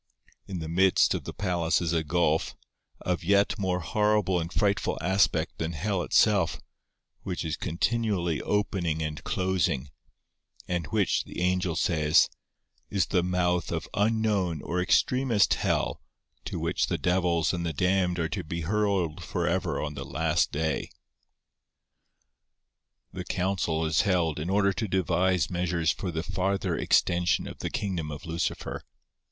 In the midst of the palace is a gulf, of yet more horrible and frightful aspect than hell itself, which is continually opening and closing, and which, the angel says, is the month of 'Unknown' or extremest hell, to which the devils and the damned are to be hurled for ever on the last day. The council is held in order to devise measures for the farther extension of the kingdom of Lucifer.